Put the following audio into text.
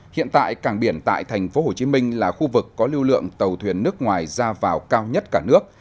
hiện tại cảng biển tại tp hcm là khu vực có lưu lượng tàu thuyền nước ngoài ra vào cao nhất cả nước